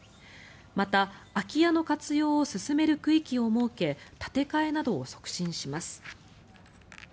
また、空き家の活用を進める区域を設け建て替えなどを促進します。